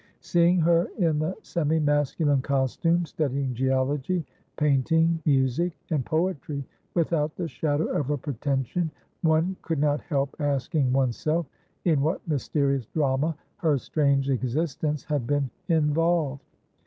Seeing her in the semi masculine costume, studying geology, painting, music, and poetry, without the shadow of a pretension, one could not help asking oneself in what mysterious drama her strange existence had been involved.